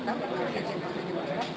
anak anak yang tahu